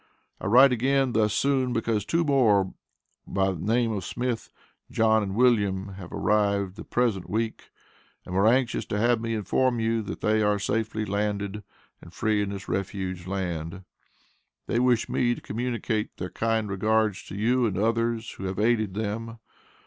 I write again thus soon because two more by name of Smith, John and Wm., have arrived the present week and were anxious to have me inform you that they are safely landed and free in this refuge land. They wish me to communicate their kind regards to you and others who have aided them.